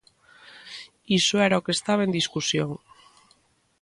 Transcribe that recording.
Iso era o que estaba en discusión.